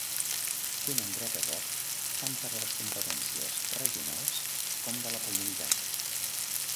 Tenen dret a vot, tant per a les competències regionals com de la comunitat.